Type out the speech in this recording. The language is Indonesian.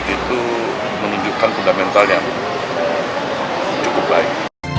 itu menunjukkan fundamental yang cukup baik